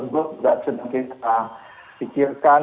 dan tidak sedang kita pikirkan